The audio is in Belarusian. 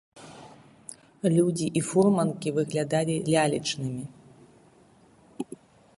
Людзі і фурманкі выглядалі лялечнымі.